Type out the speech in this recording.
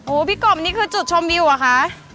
พี่กบนี่คือจุดชมวิวเหรอคะ